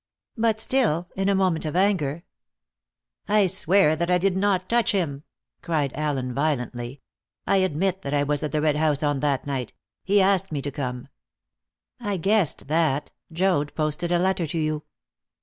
But still, in a moment of anger " "I swear that I did not touch him!" cried Allen violently. "I admit that I was at the Red House on that night. He asked me to come." "I guessed that. Joad posted a letter to you."